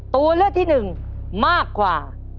ตัวเลือกที่หนึ่งมากกว่า